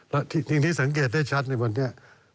แล้วสิ่งที่สังเกตได้ชัดในวันนี้